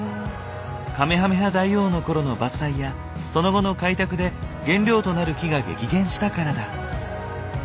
カメハメハ大王の頃の伐採やその後の開拓で原料となる木が激減したからだ。